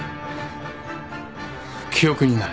記憶にない。